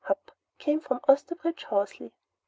Hup!" came from Osterbridge Hawsey.